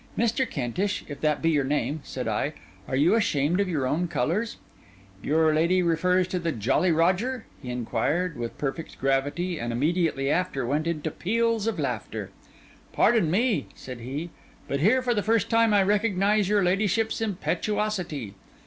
'Mr. Kentish, if that be your name,' said I, 'are you ashamed of your own colours?' 'Your ladyship refers to the Jolly Roger?' he inquired, with perfect gravity; and immediately after, went into peals of laughter. 'Pardon me,' said he; 'but here for the first time I recognise your ladyship's impetuosity.